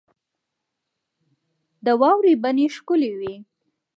د واورې بڼې ښکلي وې.